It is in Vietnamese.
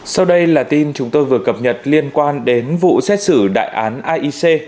sau đây là tin chúng tôi vừa cập nhật liên quan đến vụ xét xử đại án aic